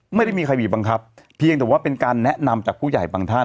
ไม่ได้มีใครบีบบังคับเพียงแต่ว่าเป็นการแนะนำจากผู้ใหญ่บางท่าน